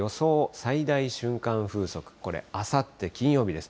最大瞬間風速、これ、あさって金曜日です。